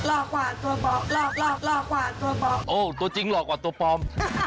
โอ้โฮตัวจริงหล่อกว่าตัวปอม